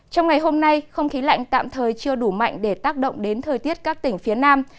trong ngày hôm nay không khí lạnh tạm thời chưa đủ mạnh để tác động đến thời tiết các tỉnh phía nam